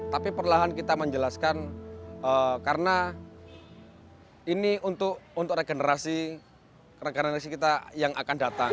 tapi perlahan kita menjelaskan karena ini untuk regenerasi kita yang akan datang